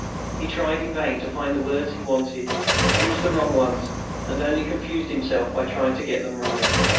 He tried in vain to find the words he wanted, used the wrong ones, and only confused himself by trying to get them right.